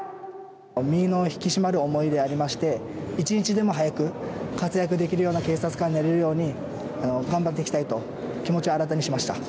身の引き締まる思いでありまして一日も早く活躍できるような警察官になれるように頑張っていきたいと気持ちを新たにしました。